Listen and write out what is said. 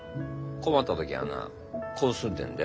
困った時はなこうすんねんで。